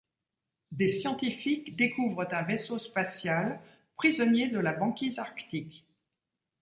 Des scientifiques découvrent un vaisseau spatial prisonnier de la banquise arctique.